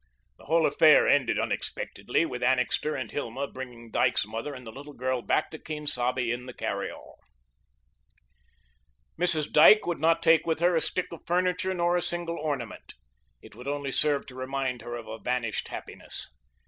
The whole affair ended unexpectedly, with Annixter and Hilma bringing Dyke's mother and little girl back to Quien Sabe in the carry all. Mrs. Dyke would not take with her a stick of furniture nor a single ornament. It would only serve to remind her of a vanished happiness.